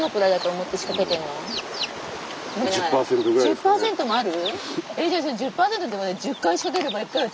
１０％もある？